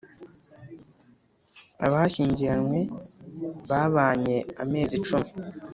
abashyingiranywe babanye amezi cumi